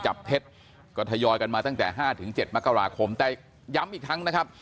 เท็จก็ทยอยกันมาตั้งแต่๕๗มกราคมแต่ย้ำอีกครั้งนะครับ